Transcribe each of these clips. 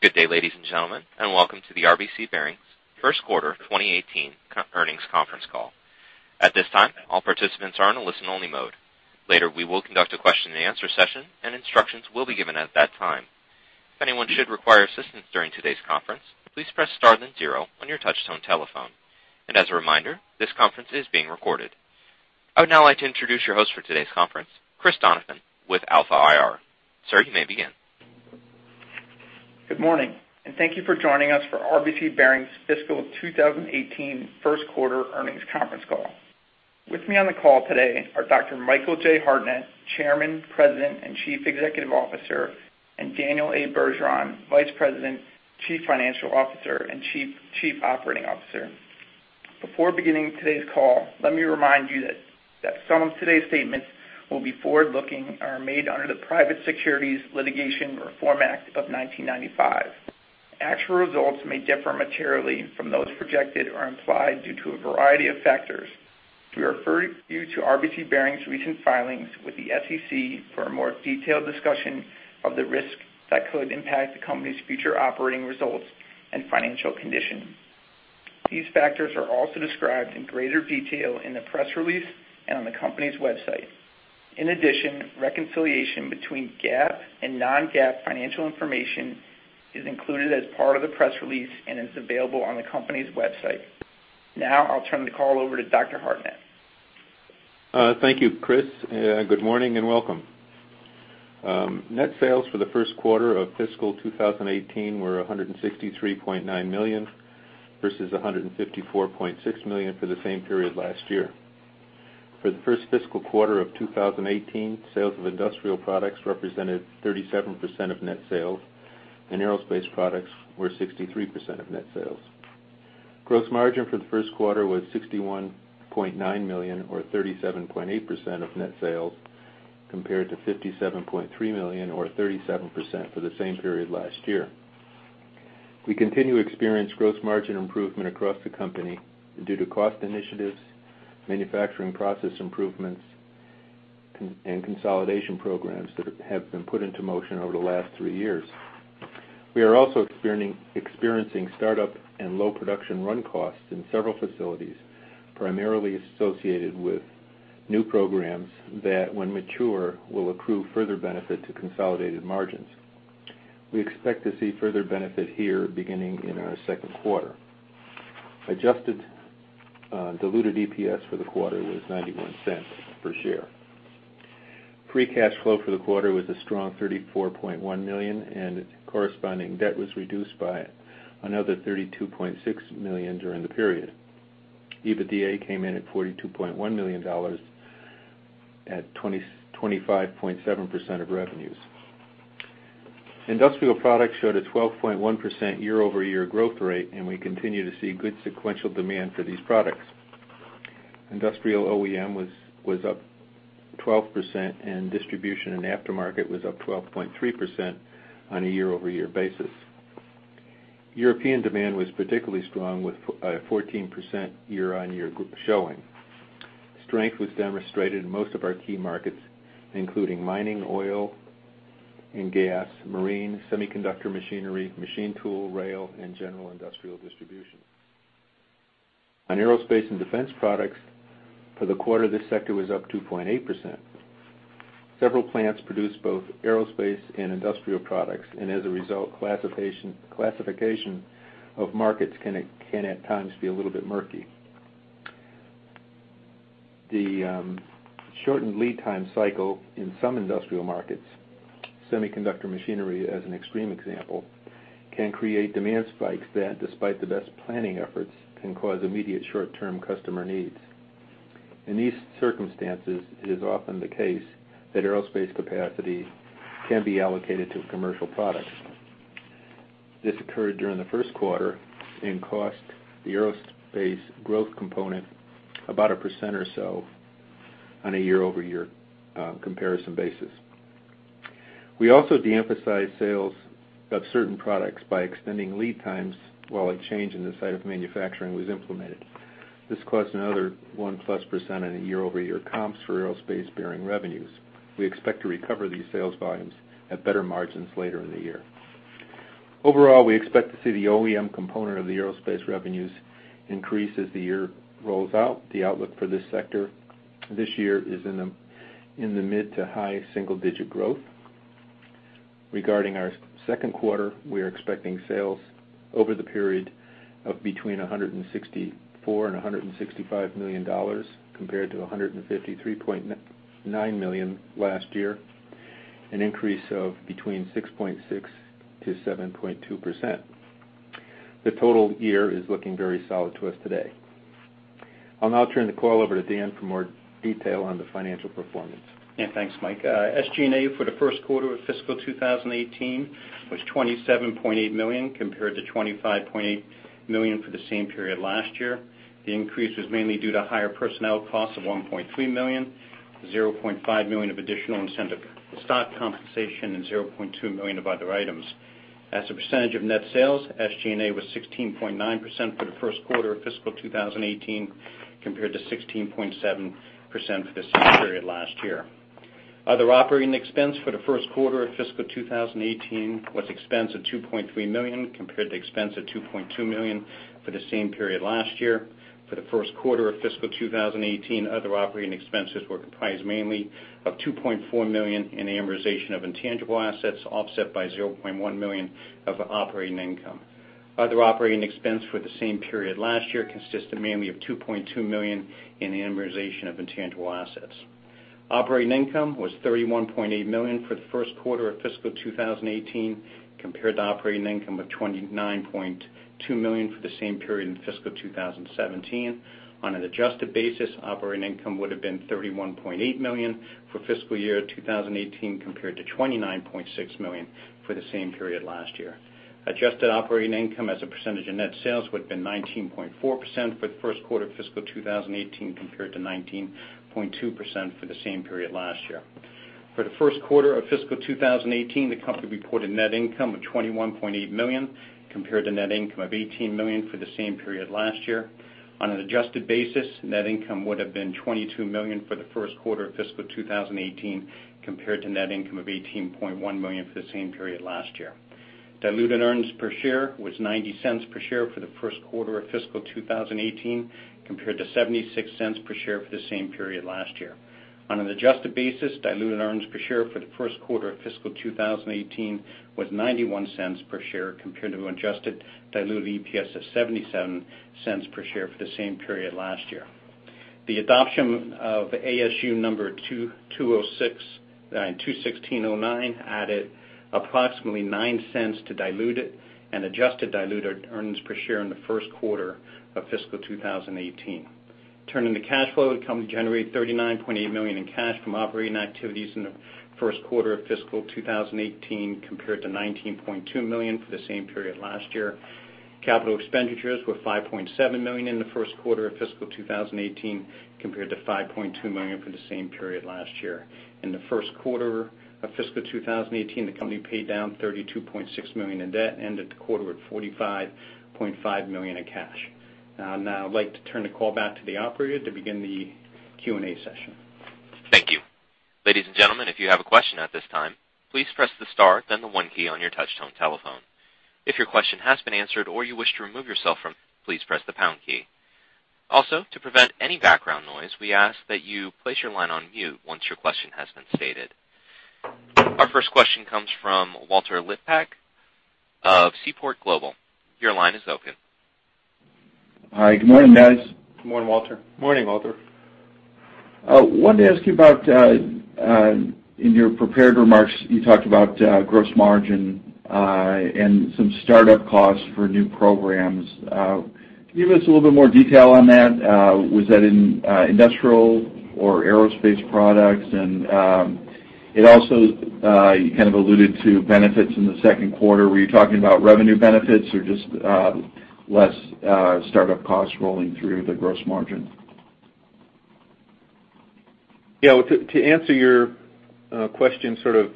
Good day, ladies and gentlemen, and welcome to the RBC Bearings first quarter 2018 Q1 earnings conference call. At this time, all participants are in a listen-only mode. Later, we will conduct a question-and-answer session, and instructions will be given at that time. If anyone should require assistance during today's conference, "please press star then zero" on your touch-tone telephone. And as a reminder, this conference is being recorded. I would now like to introduce your host for today's conference, Chris Donovan, with Alpha IR. Sir, you may begin. Good morning, and thank you for joining us for RBC Bearings fiscal 2018 first quarter earnings conference call. With me on the call today are Dr. Michael J. Hartnett, Chairman, President, and Chief Executive Officer, and Daniel A. Bergeron, Vice President, Chief Financial Officer, and Chief Operating Officer. Before beginning today's call, let me remind you that some of today's statements will be forward-looking or made under the Private Securities Litigation Reform Act of 1995. Actual results may differ materially from those projected or implied due to a variety of factors. We refer you to RBC Bearings' recent filings with the SEC for a more detailed discussion of the risk that could impact the company's future operating results and financial condition. These factors are also described in greater detail in the press release and on the company's website. In addition, reconciliation between GAAP and non-GAAP financial information is included as part of the press release and is available on the company's website. Now I'll turn the call over to Dr. Hartnett. Thank you, Chris. Good morning and welcome. Net sales for the first quarter of fiscal 2018 were $163.9 million versus $154.6 million for the same period last year. For the first fiscal quarter of 2018, sales of industrial products represented 37% of net sales, and aerospace products were 63% of net sales. Gross margin for the first quarter was $61.9 million or 37.8% of net sales compared to $57.3 million or 37% for the same period last year. We continue to experience gross margin improvement across the company due to cost initiatives, manufacturing process improvements, cost and consolidation programs that have been put into motion over the last three years. We are also experiencing startup and low production run costs in several facilities, primarily associated with new programs that, when mature, will accrue further benefit to consolidated margins. We expect to see further benefit here beginning in our second quarter. Adjusted diluted EPS for the quarter was $0.91 per share. Free cash flow for the quarter was a strong $34.1 million, and corresponding debt was reduced by another $32.6 million during the period. EBITDA came in at $42.1 million at 25.7% of revenues. Industrial products showed a 12.1% year-over-year growth rate, and we continue to see good sequential demand for these products. Industrial OEM was up 12%, and distribution and aftermarket was up 12.3% on a year-over-year basis. European demand was particularly strong with 14% year-over-year growth showing. Strength was demonstrated in most of our key markets, including mining, oil and gas, marine, semiconductor machinery, machine tool, rail, and general industrial distribution. On aerospace and defense products, for the quarter, this sector was up 2.8%. Several plants produce both aerospace and industrial products, and as a result, classification of markets can at times be a little bit murky. The shortened lead time cycle in some industrial markets—semiconductor machinery as an extreme example—can create demand spikes that, despite the best planning efforts, can cause immediate short-term customer needs. In these circumstances, it is often the case that aerospace capacity can be allocated to commercial products. This occurred during the first quarter and cost the aerospace growth component about 1% or so on a year-over-year comparison basis. We also deemphasized sales of certain products by extending lead times while a change in the site of manufacturing was implemented. This caused another 1+% on a year-over-year comps for aerospace-bearing revenues. We expect to recover these sales volumes at better margins later in the year. Overall, we expect to see the OEM component of the aerospace revenues increase as the year rolls out. The outlook for this sector this year is in the mid to high single-digit growth. Regarding our second quarter, we are expecting sales over the period of between $164 and $165 million compared to $153.9 million last year, an increase of between 6.6%-7.2%. The total year is looking very solid to us today. I'll now turn the call over to Dan for more detail on the financial performance. Yeah, thanks, Mike. SG&A for the first quarter of fiscal 2018 was $27.8 million compared to $25.8 million for the same period last year. The increase was mainly due to higher personnel cost of $1.3 million, $0.5 million of additional incentive stock compensation, and $0.2 million of other items. As a percentage of net sales, SG&A was 16.9% for the first quarter of fiscal 2018 compared to 16.7% for the same period last year. Other operating expense for the first quarter of fiscal 2018 was expense of $2.3 million compared to expense of $2.2 million for the same period last year. For the first quarter of fiscal 2018, other operating expenses were comprised mainly of $2.4 million in amortization of intangible assets offset by $0.1 million of operating income. Other operating expense for the same period last year consisted mainly of $2.2 million in amortization of intangible assets. Operating income was $31.8 million for the first quarter of fiscal 2018 compared to operating income of $29.2 million for the same period in fiscal 2017. On an adjusted basis, operating income would have been $31.8 million for fiscal year 2018 compared to $29.6 million for the same period last year. Adjusted operating income as a percentage of net sales would have been 19.4% for the first quarter of fiscal 2018 compared to 19.2% for the same period last year. For the first quarter of fiscal 2018, the company reported net income of $21.8 million compared to net income of $18 million for the same period last year. On an adjusted basis, net income would have been $22 million for the first quarter of fiscal 2018 compared to net income of $18.1 million for the same period last year. Diluted earnings per share was $0.90 per share for the first quarter of fiscal 2018 compared to $0.76 per share for the same period last year. On an adjusted basis, diluted earnings per share for the first quarter of fiscal 2018 was $0.91 per share compared to an adjusted diluted EPS of $0.77 per share for the same period last year. The adoption of ASU 2016-09 added approximately $0.09 to diluted and adjusted diluted earnings per share in the first quarter of fiscal 2018. Turning to cash flow, the company generated $39.8 million in cash from operating activities in the first quarter of fiscal 2018 compared to $19.2 million for the same period last year. Capital expenditures were $5.7 million in the first quarter of fiscal 2018 compared to $5.2 million for the same period last year. In the first quarter of fiscal 2018, the company paid down $32.6 million in debt and ended the quarter with $45.5 million in cash. Now I'd like to turn the call back to the operator to begin the Q&A session. Thank you. Ladies and gentlemen, if you have a question at this time, "please press the star, then the one" key on your touch-tone telephone. If your question has been answered or you wish to remove yourself from it, "please press the pound key". Also, to prevent any background noise, we ask that you place your line on mute once your question has been stated. Our first question comes from Walter Liptak of Seaport Global Securities. Your line is open. Hi. Good morning, guys. Good morning, Walter. Morning, Walter. Wanted to ask you about, in your prepared remarks, you talked about gross margin and some startup costs for new programs. Can you give us a little bit more detail on that? Was that in industrial or aerospace products? It also, you kind of alluded to benefits in the second quarter. Were you talking about revenue benefits or just less startup costs rolling through the gross margin? Yeah. Well, to answer your question sort of,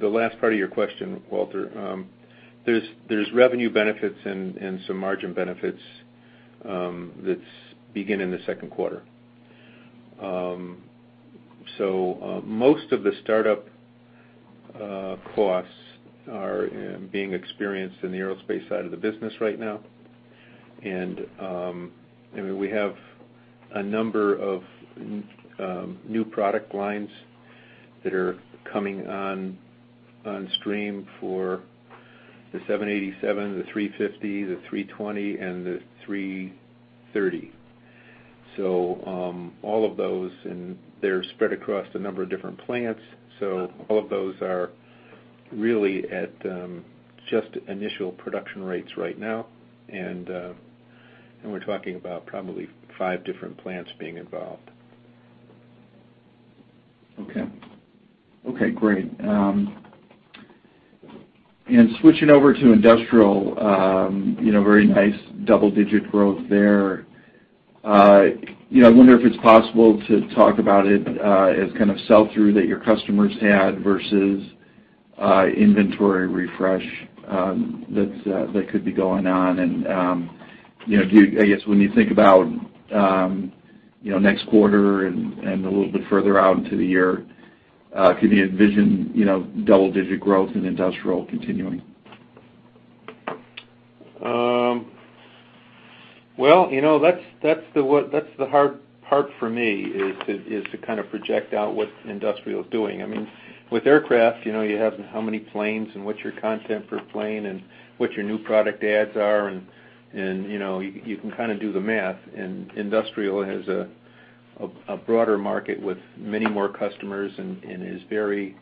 the last part of your question, Walter, there's revenue benefits and some margin benefits that begin in the second quarter. So, most of the startup costs are being experienced in the aerospace side of the business right now. And, I mean, we have a number of new product lines that are coming on stream for the 787, the 350, the 320, and the 330. So, all of those and they're spread across a number of different plants. So all of those are really at just initial production rates right now. And we're talking about probably five different plants being involved. Okay. Okay. Great. And switching over to industrial, you know, very nice double-digit growth there. You know, I wonder if it's possible to talk about it as kind of sell-through that your customers had versus inventory refresh, that's that could be going on. And, you know, do you, I guess, when you think about, you know, next quarter and, and a little bit further out into the year, can you envision, you know, double-digit growth in industrial continuing? Well, you know, that's the hard part for me is to kind of project out what industrial's doing. I mean, with aircraft, you know, you have how many planes and what your content per plane and what your new product adds are. And you can kind of do the math. And industrial has a broader market with many more customers and is very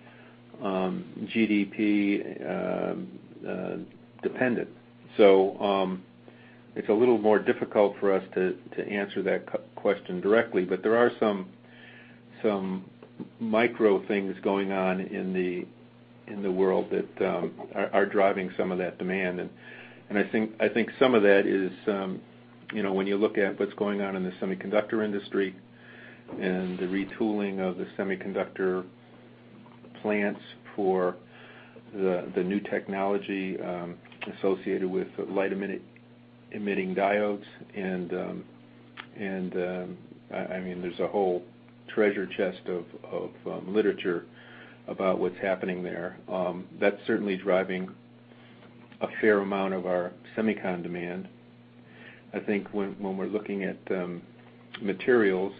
GDP dependent. So, it's a little more difficult for us to answer that question directly. But there are some micro things going on in the world that are driving some of that demand. I think some of that is, you know, when you look at what's going on in the semiconductor industry and the retooling of the semiconductor plants for the new technology associated with light-emitting diodes. And I mean, there's a whole treasure chest of literature about what's happening there. That's certainly driving a fair amount of our semiconductor demand. I think when we're looking at materials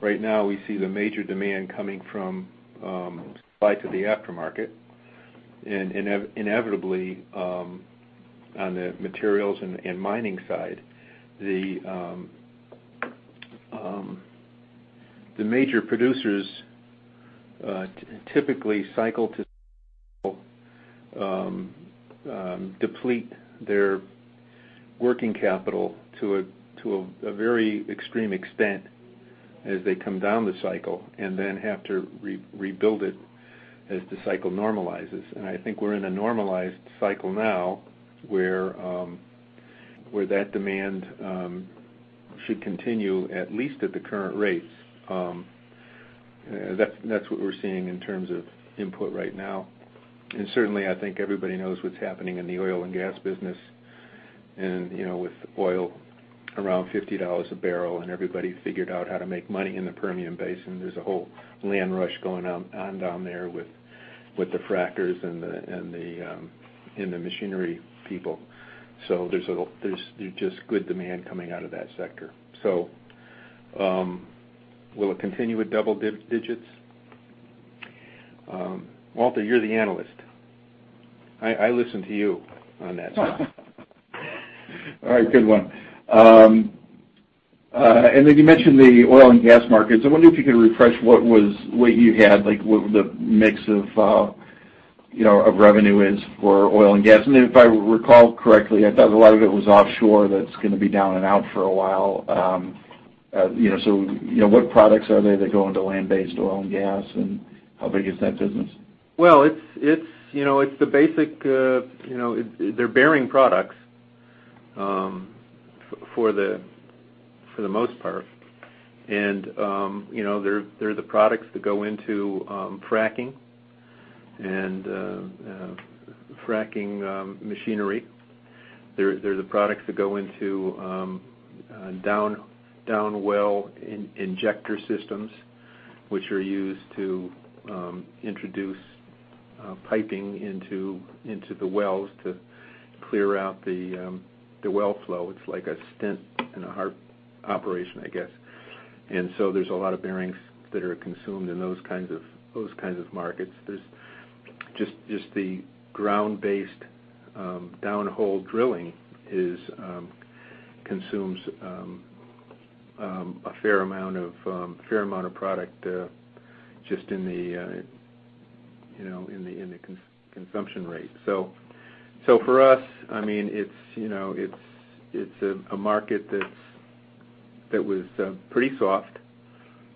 right now, we see the major demand coming from supply to the aftermarket. And inevitably, on the materials and mining side, the major producers typically cycle to cycle deplete their working capital to a very extreme extent as they come down the cycle and then have to rebuild it as the cycle normalizes. And I think we're in a normalized cycle now where, where that demand should continue at least at the current rates. That's, that's what we're seeing in terms of input right now. And certainly, I think everybody knows what's happening in the oil and gas business and, you know, with oil around $50 a barrel, and everybody figured out how to make money in the Permian Basin. There's a whole land rush going on down there with the frackers and the machinery people. So there's just good demand coming out of that sector. So, will it continue with double digits? Walter, you're the analyst. I listen to you on that side. All right. Good one. Then you mentioned the oil and gas markets. I wonder if you could refresh what was what you had, like what the mix of, you know, of revenue is for oil and gas. And then if I recall correctly, I thought a lot of it was offshore that's gonna be down and out for a while. You know, so, you know, what products are there that go into land-based oil and gas, and how big is that business? Well, it's, you know, it's the basic, you know, it's bearing products for the most part. And, you know, they're the products that go into fracking machinery. They're the products that go into downhole injector systems, which are used to introduce piping into the wells to clear out the well flow. It's like a stent in a heart operation, I guess. And so there's a lot of bearings that are consumed in those kinds of markets. There's just the ground-based downhole drilling is consumes a fair amount of product just in the consumption rate. So for us, I mean, it's, you know, it's a market that was pretty soft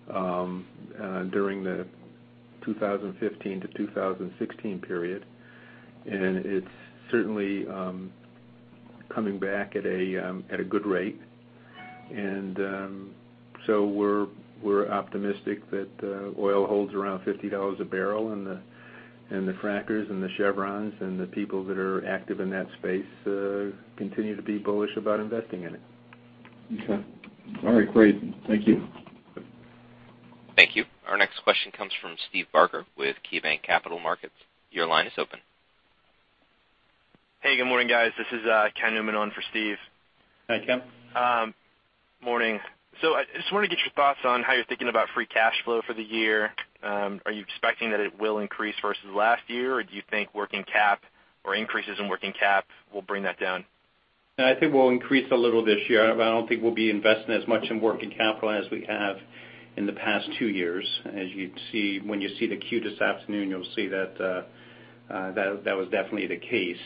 during the 2015 to 2016 period. It's certainly coming back at a good rate. So we're optimistic that oil holds around $50 a barrel, and the frackers and the Chevrons and the people that are active in that space continue to be bullish about investing in it. Okay. All right. Great. Thank you. Thank you. Our next question comes from Steve Barger with KeyBanc Capital Markets. Your line is open. Hey. Good morning, guys. This is Ken Newman on for Steve. Hi, Ken. Morning. So, just wanted to get your thoughts on how you're thinking about free cash flow for the year. Are you expecting that it will increase versus last year, or do you think working cap or increases in working cap will bring that down? I think we'll increase a little this year. I don't I don't think we'll be investing as much in working capital as we have in the past two years. As you see when you see the Q this afternoon, you'll see that was definitely the case.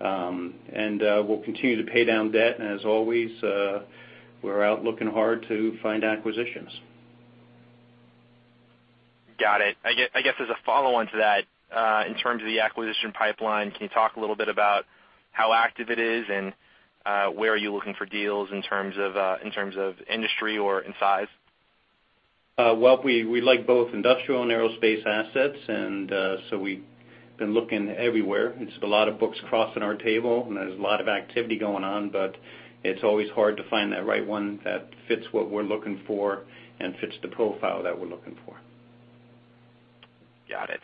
We'll continue to pay down debt as always. We're out looking hard to find acquisitions. Got it. I guess as a follow-on to that, in terms of the acquisition pipeline, can you talk a little bit about how active it is and, where are you looking for deals in terms of, in terms of industry or in size? Well, we like both industrial and aerospace assets. So we've been looking everywhere. It's a lot of books crossing our table, and there's a lot of activity going on. But it's always hard to find that right one that fits what we're looking for and fits the profile that we're looking for. Got it.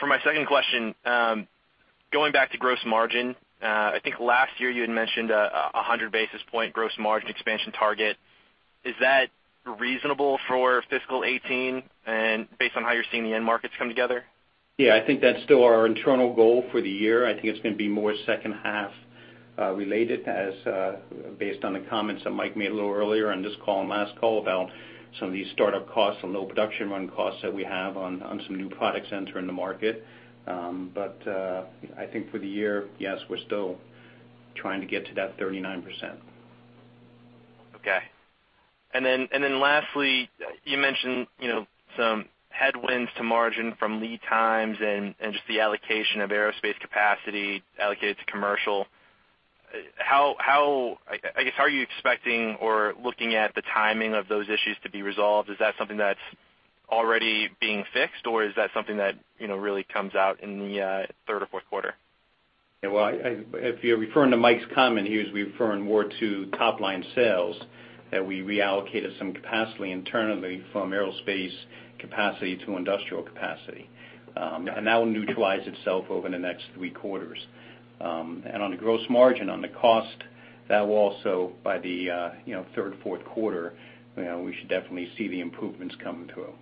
For my second question, going back to gross margin, I think last year you had mentioned a 100 basis point gross margin expansion target. Is that reasonable for fiscal 2018 and based on how you're seeing the end markets come together? Yeah. I think that's still our internal goal for the year. I think it's gonna be more second-half related, as based on the comments that Mike made a little earlier on this call and last call about some of these startup costs and low production run costs that we have on some new products entering the market. I think for the year, yes, we're still trying to get to that 39%. Okay. And then lastly, you mentioned, you know, some headwinds to margin from lead times and just the allocation of aerospace capacity allocated to commercial. How, I guess, how are you expecting or looking at the timing of those issues to be resolved? Is that something that's already being fixed, or is that something that, you know, really comes out in the third or fourth quarter? Yeah. Well, if you're referring to Mike's comment, he was referring more to top-line sales that we reallocated some capacity internally from aerospace capacity to industrial capacity. That will neutralize itself over the next 3 quarters. And on the gross margin, on the cost, that will also by the, you know, third, fourth quarter, you know, we should definitely see the improvements coming through.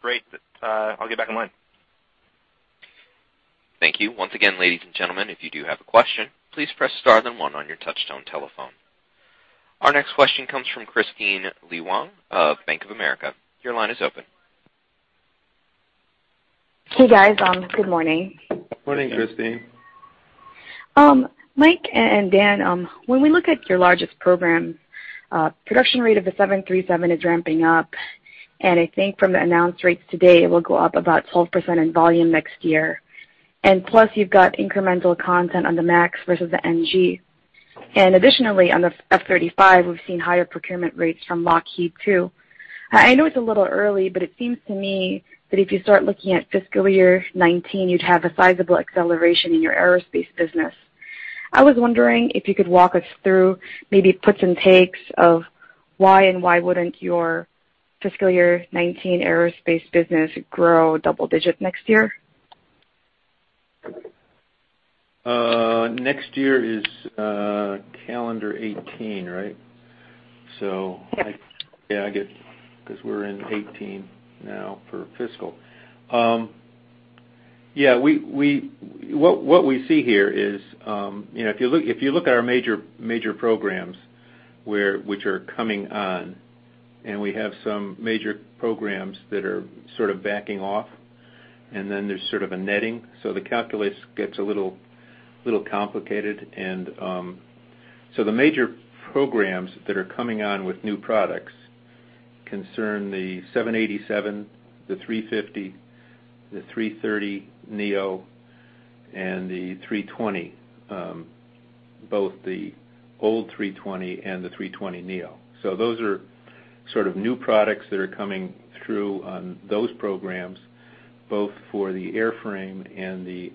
Great. I'll get back online. Thank you. Once again, ladies and gentlemen, if you do have a question, please press star then one on your touch-tone telephone. Our next question comes from Kristine Liwag of Bank of America. Your line is open. Hey, guys. Good morning. Morning, Kristine. Mike and Dan, when we look at your largest program, production rate of the 737 is ramping up. I think from the announced rates today, it will go up about 12% in volume next year. Plus, you've got incremental content on the MAX versus the NG. Additionally, on the F35, we've seen higher procurement rates from Lockheed too. I know it's a little early, but it seems to me that if you start looking at fiscal year 2019, you'd have a sizable acceleration in your aerospace business. I was wondering if you could walk us through maybe puts and takes of why and why wouldn't your fiscal year 2019 aerospace business grow double-digit next year? next year is calendar 2018, right? So I. Yeah. Yeah. I get 'cause we're in 2018 now for fiscal. Yeah. What we see here is, you know, if you look at our major programs which are coming on, and we have some major programs that are sort of backing off, and then there's sort of a netting. So the calculus gets a little complicated. So the major programs that are coming on with new products concern the 787, the 350, the 330 Neo, and the 320, both the old 320 and the 320 Neo. So those are sort of new products that are coming through on those programs, both for the airframe and the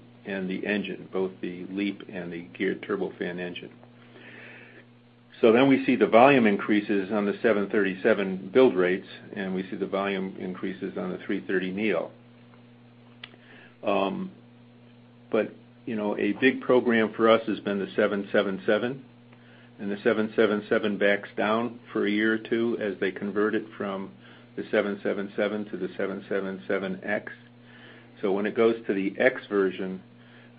engine, both the LEAP and the Geared Turbofan engine. So then we see the volume increases on the 737 build rates, and we see the volume increases on the 330 Neo. But, you know, a big program for us has been the 777. And the 777 backs down for a year or two as they convert it from the 777 to the 777X. So when it goes to the X version,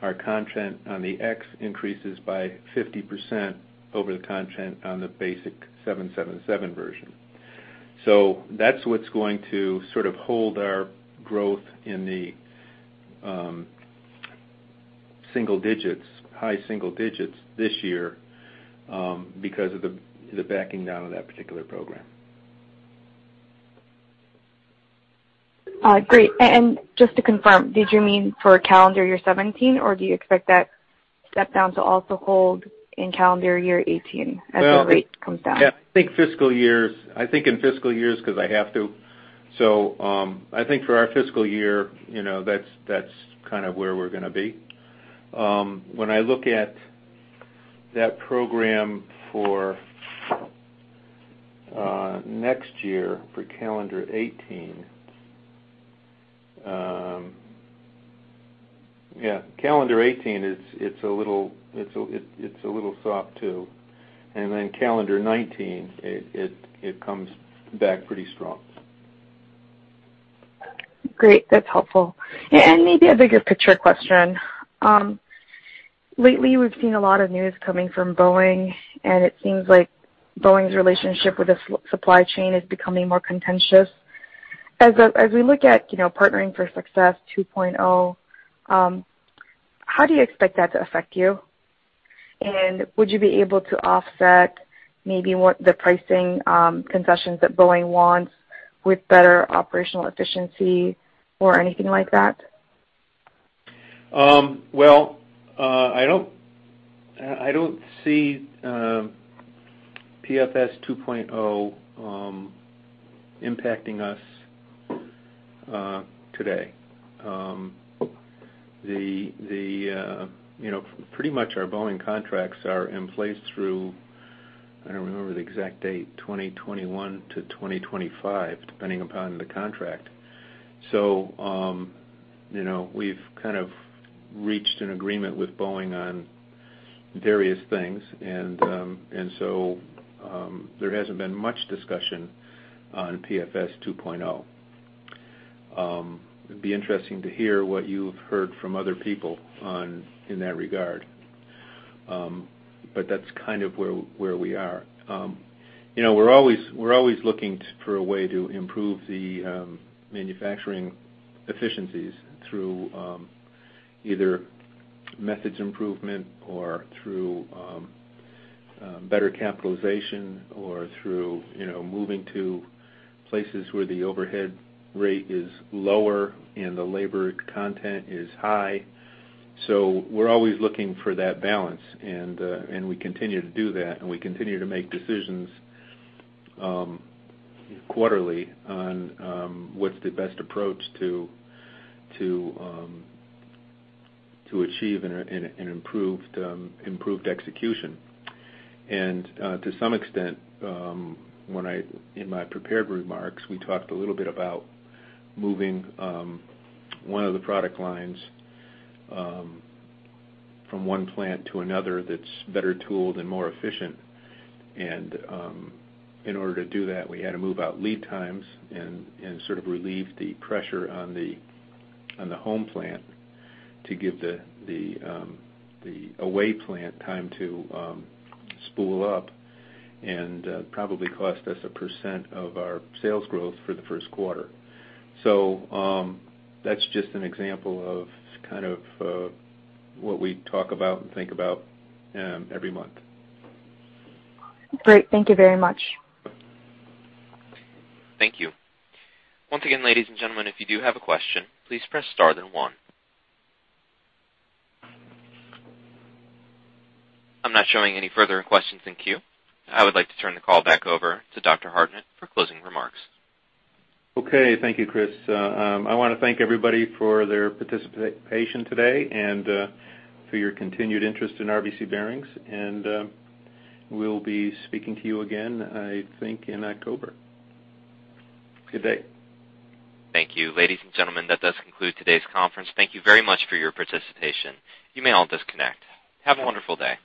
our content on the X increases by 50% over the content on the basic 777 version. So that's what's going to sort of hold our growth in the single digits, high single digits this year, because of the backing down of that particular program. Great. And just to confirm, did you mean for calendar year 2017, or do you expect that step down to also hold in calendar year 2018 as the rate comes down? Well, yeah. I think fiscal years. I think in fiscal years 'cause I have to. So, I think for our fiscal year, you know, that's kind of where we're gonna be. When I look at that program for next year for calendar 2018, yeah. Calendar 2018, it's a little soft too. And then calendar 2019, it comes back pretty strong. Great. That's helpful. And maybe a bigger picture question. Lately, we've seen a lot of news coming from Boeing, and it seems like Boeing's relationship with the supply chain is becoming more contentious. As we look at, you know, Partnering for Success 2.0, how do you expect that to affect you? And would you be able to offset maybe what the pricing concessions that Boeing wants with better operational efficiency or anything like that? Well, I don't see PFS 2.0 impacting us today. The, you know, pretty much our Boeing contracts are in place through, I don't remember the exact date, 2021 to 2025, depending upon the contract. So, you know, we've kind of reached an agreement with Boeing on various things. And so, there hasn't been much discussion on PFS 2.0. It'd be interesting to hear what you've heard from other people on that regard. But that's kind of where we are. You know, we're always looking for a way to improve the manufacturing efficiencies through either methods improvement or through better capitalization or through, you know, moving to places where the overhead rate is lower and the labor content is high. So we're always looking for that balance. And we continue to do that. We continue to make decisions quarterly on what's the best approach to achieve an improved execution. To some extent, when in my prepared remarks, we talked a little bit about moving one of the product lines from one plant to another that's better tooled and more efficient. In order to do that, we had to move out lead times and sort of relieve the pressure on the home plant to give the away plant time to spool up and probably cost us 1% of our sales growth for the first quarter. So, that's just an example of kind of what we talk about and think about every month. Great. Thank you very much. Thank you. Once again, ladies and gentlemen, if you do have a question, "please press star then one". I'm not showing any further questions in queue. I would like to turn the call back over to Dr. Hartnett for closing remarks. Okay. Thank you, Chris. I wanna thank everybody for their participation today and, for your continued interest in RBC Bearings. We'll be speaking to you again, I think, in October. Good day. Thank you. Ladies and gentlemen, that does conclude today's conference. Thank you very much for your participation. You may all disconnect. Have a wonderful day.